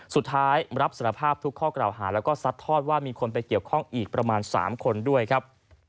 สุดท้ายรับสารภาพทุกข้อกล่าวหาแล้วก็ซัดทอดว่ามีคนไปเกี่ยวข้องอีกประมาณ๓คนด้วยครับ